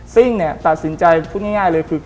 ซิ่งเนี่ยตัดสินใจพูดง่ายเลยคือ